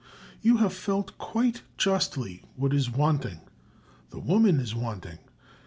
You have felt quite justly what is wanting: the woman is wanting.